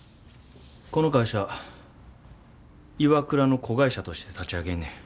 この会社ＩＷＡＫＵＲＡの子会社として立ち上げんねん。